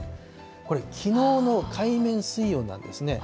これ、きのうの海面水温なんですね。